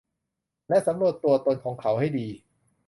และสำรวจตัวตนของเขาให้ดี